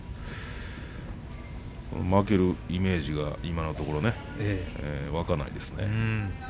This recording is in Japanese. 負けるイメージが今のところ湧かないですね。